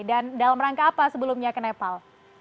dan dalam rangka apa sebelumnya ke nepal